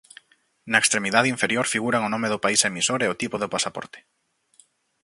Na extremidade inferior figuran o nome do país emisor e o tipo do pasaporte.